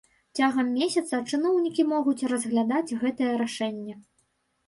Цягам месяца чыноўнікі могуць разглядаць гэтае рашэнне.